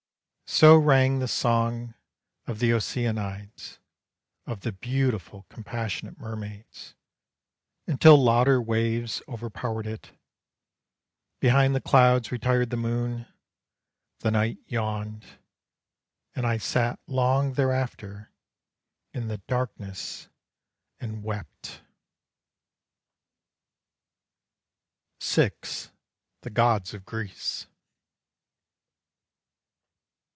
So rang the song of the Oceanides, Of the beautiful compassionate mermaids, Until louder waves overpowered it. Behind the clouds retired the moon, The night yawned, And I sat long thereafter in the darkness and wept. VI. THE GODS OF GREECE.